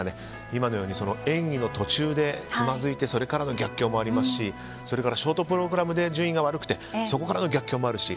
今のように演技の途中でつまずいてそれからの逆境もありますしそれからショートプログラムで順位が悪くてそこからの逆境もあるし。